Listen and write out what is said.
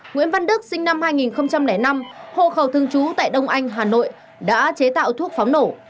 nguyễn văn đức sinh năm hai nghìn năm hộ khẩu thương chú tại đông anh hà nội đã chế tạo thuốc pháo nổ